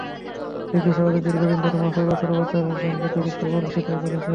জিজ্ঞাসাবাদে দীর্ঘদিন ধরে মাসুদ অস্ত্র ব্যবসার সঙ্গে জড়িত বলে স্বীকার করেছেন।